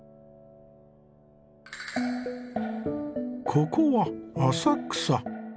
ここは浅草。